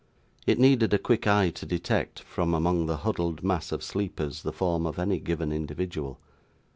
It needed a quick eye to detect, from among the huddled mass of sleepers, the form of any given individual.